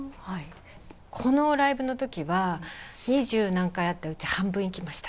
このライブのときは二十何回あったうちの半分行きました。